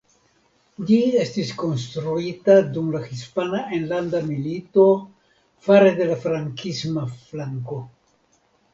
Ĝi estis konstruita dum la Hispana Enlanda Milito fare de la frankisma flanko.